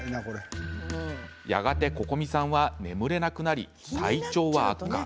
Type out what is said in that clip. やがて、ここみさんは眠れなくなり体調は悪化。